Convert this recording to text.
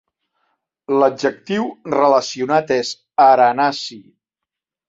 L'adjectiu relacionat és "arenaci".